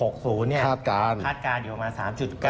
คาดการณ์อยู่ออกมา๓๙